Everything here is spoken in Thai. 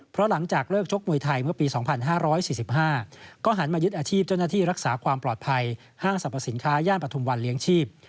เพราะหลังจากเลิกชกมวยไทยเมื่อปี๒๕๔๕ก็หันมายึดอาชีพเจ้าหน้าที่รักษาความปลอดภัยห้างสรรพสินค้าย่านปฐุมวันเลี้ยงชีพ